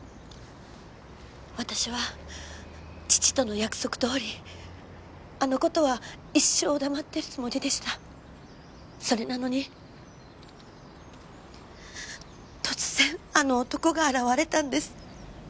私は父との約束どおりあのことは一生黙ってるつもりでしたそれなのに突然あの男が現れたんです